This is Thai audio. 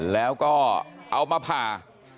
แล้วก็เอามาผ่า